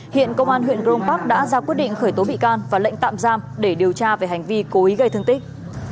hiện công an huyện grong park đã ra quyết định khởi tố bị can và lệnh tạm giam để điều tra về hành vi cố ý gây thương tích